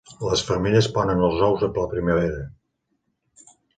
Les femelles ponen els ous a la primavera.